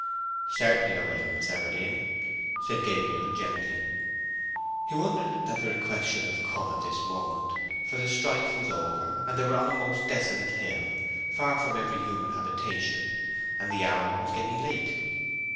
"Certainly I will, Miss Everdene," said Gabriel, gently. He wondered that the request should have come at this moment, for the strife was over, and they were on a most desolate hill, far from every human habitation, and the hour was getting late.